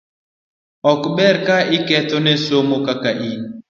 ok ber ka iketho ne somo kaka in.